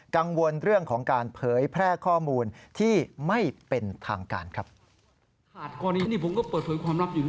กังวลเรื่องของการเผยแพร่ข้อมูลที่ไม่เป็นทางการครับ